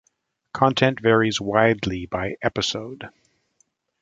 Content varies widely by episode.